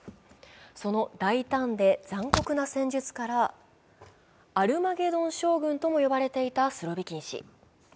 その大胆で残酷な戦術から、アルマゲドン将軍とも呼ばれていたスロビキン氏。